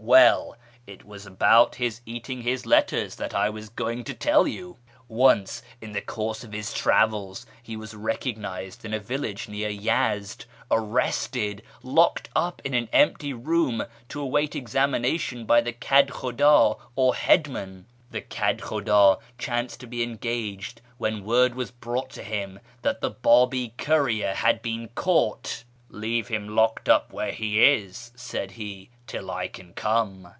Well, it was about his eating his letters that I was going to tell you. Once in the course of his travels he was recognised in a village near Yezd, arrested, and locked up in an empty room to await examination by the ked hhudA, or head man. The kcd khudd chanced to be engaged when word was brought to him that the Babi courier had been caught. ' Leave him locked up where he is,' said he, ' till I can come.'